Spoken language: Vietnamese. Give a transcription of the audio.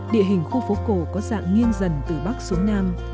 địa hình khu phố cổ có dạng nghiêng dần từ bắc xuống nam